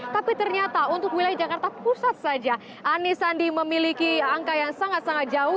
tapi ternyata untuk wilayah jakarta pusat saja ani sandi memiliki angka yang sangat sangat jauh